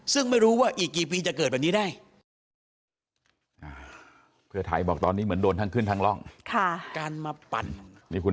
ซึ่งไม่รู้ว่าอีกกี่ปีจะเกิดแบบนี้ได้